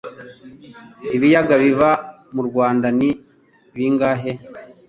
ibiyaga biba murwanda ni bingahe?